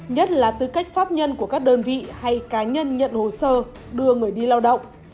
nhất là tư cách pháp nhân của các đơn vị hay cá nhân nhận hồ sơ đưa người đi lao động